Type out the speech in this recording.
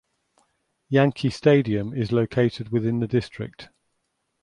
Yankee Stadium is located within the district.